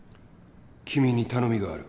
君に頼みがある。